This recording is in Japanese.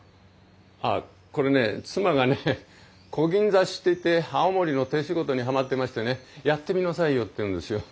ああこれね妻がね「こぎん刺し」って言って青森の手仕事にはまってましてね「やってみなさいよ」って言うんですよ。